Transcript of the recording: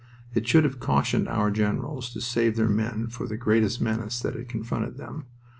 It should have cautioned our generals to save their men for the greatest menace that had confronted them.